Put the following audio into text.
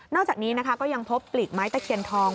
จากนี้นะคะก็ยังพบปลีกไม้ตะเคียนทอง